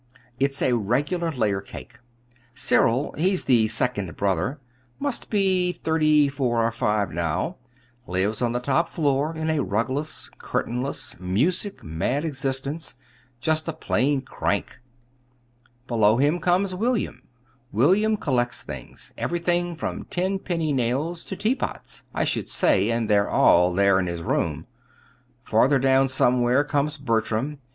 It's a regular layer cake. Cyril he's the second brother; must be thirty four or five now lives on the top floor in a rugless, curtainless, music mad existence just a plain crank. Below him comes William. William collects things everything from tenpenny nails to teapots, I should say, and they're all there in his rooms. Farther down somewhere comes Bertram.